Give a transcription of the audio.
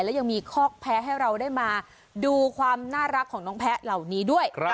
และยังมีคอกแพ้ให้เราได้มาดูความน่ารักของน้องแพ้เหล่านี้ด้วย